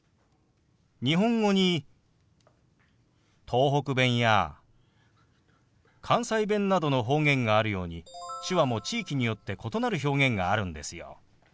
日本語に東北弁や関西弁などの方言があるように手話も地域によって異なる表現があるんですよ。